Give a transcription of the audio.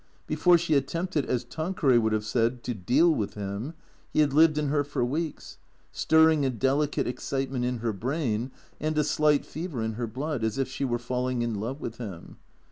Before she attempted, as Tanqueray would have said, to deal with him, he had lived in her for weeks, stirring a delicate excitement in her brain and a slight fever in her blood, as if she were falling in love with him.